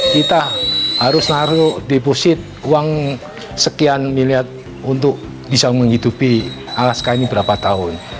kita harus naruh deposit uang sekian miliar untuk bisa menghidupi alaska ini berapa tahun